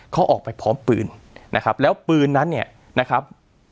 เขาออกไปพร้อมปืนนะครับแล้วปืนนั้นเนี่ยนะครับ